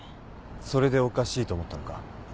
それでおかしいと思ったのか？